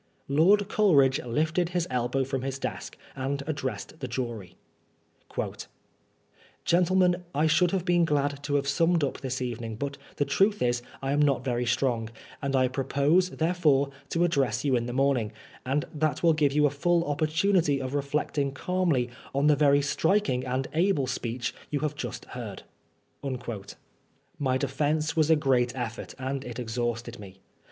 Lord Coleridge lifted his elbow from his desk, and addressed the jury : "Gentlemen, I should have been glad to have summed up this evening, but tiie truth is, I am not very strong, and I pro pose, therefore, to address you in the morning, and that will give you a full opportunity of reflecting calmly on the very striking and able speech you have just heard." My defence was a great effort, and it exhausted me.